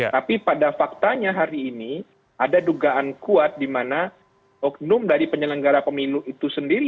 tapi pada faktanya hari ini ada dugaan kuat di mana oknum dari penyelenggara pemilu itu sendiri